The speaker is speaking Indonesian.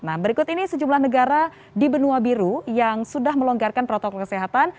nah berikut ini sejumlah negara di benua biru yang sudah melonggarkan protokol kesehatan